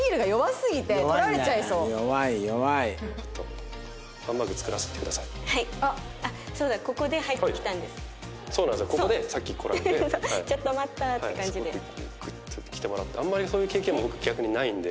すごくグッと来てもらってあんまりそういう経験僕逆にないので。